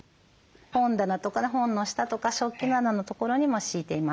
本棚とか本の下とか食器棚のところにも敷いています。